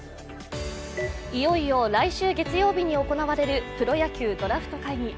いよいよ来週月曜日に行われるプロ野球ドラフト会議。